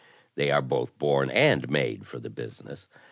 They are both born and made for the business.